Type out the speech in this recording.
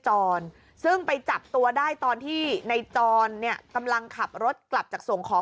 จรซึ่งไปจับตัวได้ตอนที่ในจรเนี่ยกำลังขับรถกลับจากส่งของ